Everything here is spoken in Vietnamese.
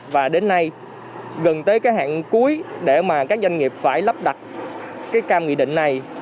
và đến nay gần tới cái hạn cuối để mà các doanh nghiệp phải lắp đặt cái cam nghị định này